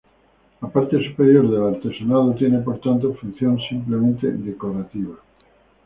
La parte superior del artesonado tiene, por tanto, función simplemente decorativa.